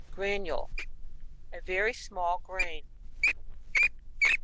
Granule. — A very small grain.